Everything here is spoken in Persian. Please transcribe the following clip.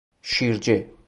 شیرجه